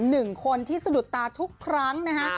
หนึ่งคนที่สะดุดตาทุกครั้งนะฮะ